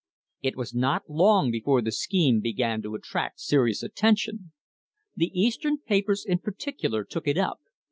It was not long before the scheme began to attract serious attention. The Eastern papers in particular took it up.